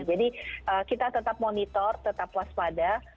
jadi kita tetap monitor tetap waspada